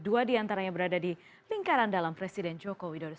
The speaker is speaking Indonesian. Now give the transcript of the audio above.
dua diantaranya berada di lingkaran dalam presiden joko widodo